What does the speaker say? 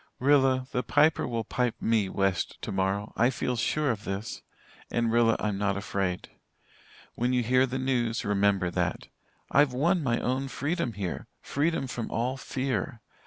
"Rilla, the Piper will pipe me 'west' tomorrow. I feel sure of this. And Rilla, I'm not afraid. When you hear the news, remember that. I've won my own freedom here freedom from all fear.